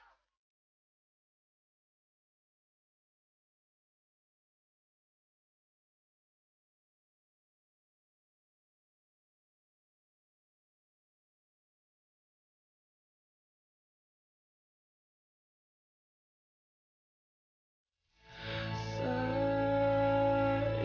amira ouais eh lu